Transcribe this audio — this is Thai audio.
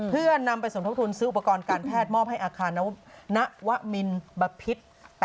เพื่อนำไปสมทบทุนซื้ออุปกรณ์การแพทย์มอบให้อาคารนวมินบพิษ